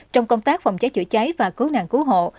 trong công tác phòng cháy chữa cháy và cứu nạn cứu hộ